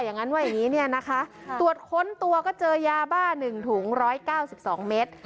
อย่างงั้นว่าอย่างงี้เนี่ยนะคะตรวจค้นตัวก็เจอยาบ้าหนึ่งถุงร้อยเก้าสิบสองเมตร